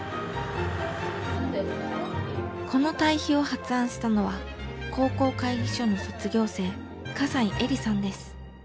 この堆肥を発案したのは高校会議所の卒業生笠井愛莉さんです。